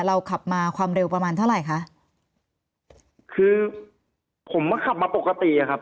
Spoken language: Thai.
เราขับมาความเร็วประมาณเท่าไหร่คะคือผมก็ขับมาปกติอ่ะครับ